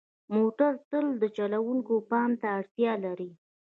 موټر تل د چلوونکي پام ته اړتیا لري.